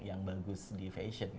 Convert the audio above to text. yang bagus di fashion